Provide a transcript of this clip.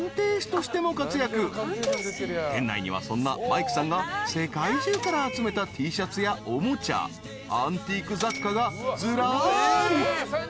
［店内にはそんなマイクさんが世界中から集めたＴシャツやおもちゃアンティーク雑貨がずらり］